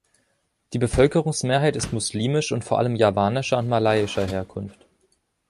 Die Bevölkerungsmehrheit ist muslimisch und vor allem javanischer und malaiischer Herkunft.